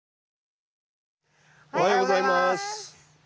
おはようございます！